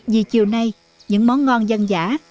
vì chiều nay những món ngon dân giả